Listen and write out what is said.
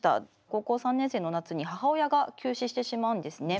高校３年生の夏に母親が急死してしまうんですね。